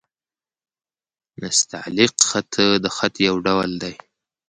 نستعلیق خط؛ د خط يو ډول دﺉ.